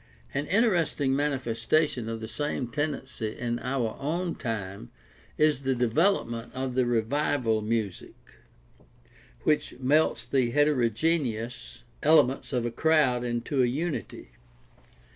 An interesting manifestation of the same tendency in our own time is the development of the revival music, which melts the hetero geneous elements of a crowd into a unity.